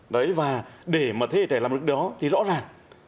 đấy và để mà thế hệ trẻ làm được đó thì rõ ràng